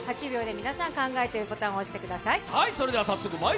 ８秒で皆さん、考えてボタンを押してください。